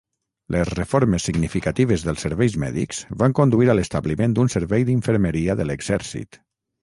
Les reformes significatives dels serveis mèdics van conduir a l'establiment d'un servei d'infermeria de l'exèrcit.